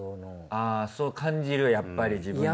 あぁそう感じるやっぱり自分で。